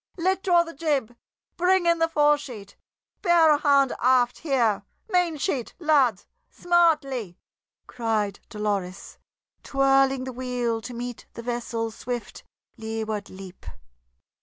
"Let draw the jib! Bring in the fore sheet; bear a hand aft here, main sheet, lads, smartly!" cried Dolores, twirling the wheel to meet the vessel's swift leeward leap.